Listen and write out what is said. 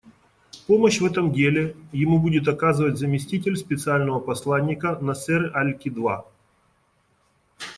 Помощь в этом деле ему будет оказывать заместитель Специального посланника Насер аль-Кидва.